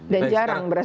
dan jarang berhasil